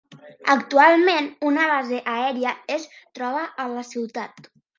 Actualment, una base aèria es troba a la ciutat.